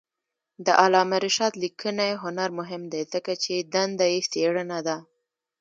د علامه رشاد لیکنی هنر مهم دی ځکه چې دنده یې څېړنه ده.